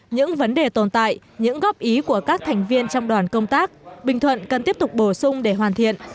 những vấn đề tồn tại những góp ý của các thành viên trong đoàn công tác bình thuận cần tiếp tục bổ sung để hoàn thiện